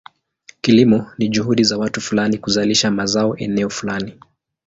Kilimo ni juhudi za watu fulani kuzalisha mazao eneo fulani.